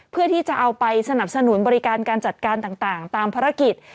เพื่อที่จะเอาไปสนับสนุนบริการการจัดการต่างตามภารกิจ